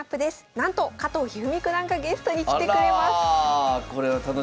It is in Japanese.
なんと加藤一二三九段がゲストに来てくれます！